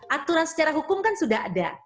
aturan secara hukum kan sudah ada